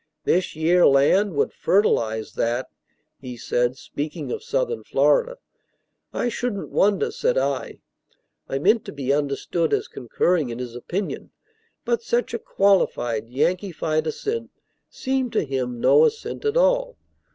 "This yere land would fertilize that," he said, speaking of southern Florida. "I shouldn't wonder," said I. I meant to be understood as concurring in his opinion, but such a qualified, Yankeefied assent seemed to him no assent at all.